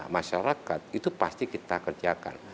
masyarakat itu pasti kita kerjakan